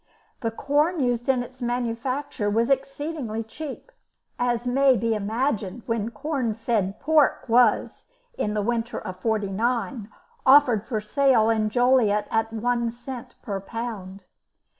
The corn used in its manufacture was exceedingly cheap, as may be imagined when corn fed pork was, in the winter of '49, offered for sale in Joliet at one cent per pound.